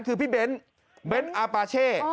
คือพี่เบ้นเบ้นอาปาเช่